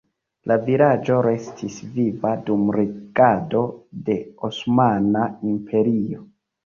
La vilaĝo restis viva dum regado de Osmana Imperio.